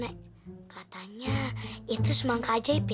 nek katanya itu semangka ajaib ya